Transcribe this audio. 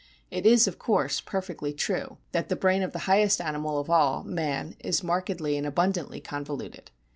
It is, of course, perfectly true that the brain of the 78 A BOOK OF WHALES highest animal of all, man, is markedly and abund antly convoluted.